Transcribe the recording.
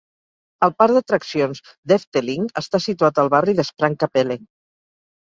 El parc d'atraccions d'Efteling està situat al barri de Sprang-Capelle.